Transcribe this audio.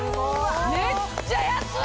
めっちゃ安い！